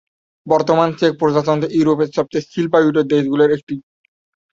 বর্তমানে চেক প্রজাতন্ত্র ইউরোপের সবচেয়ে শিল্পায়িত দেশগুলির একটি।